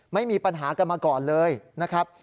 ไม่มีปัญหากันมาก่อนเลยนะครับ